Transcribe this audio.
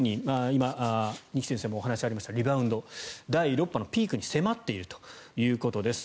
今、二木先生もお話ありましたリバウンド、第６波のピークに迫っているということです。